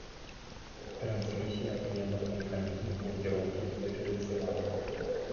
Трансмісія мела механізм блакіроўкі дыферэнцыяла.